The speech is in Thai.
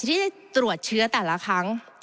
ที่จะตรวจเชื้อแต่ละครั้ง